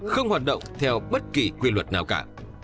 không hoạt động theo bất kỳ quy luật nào cả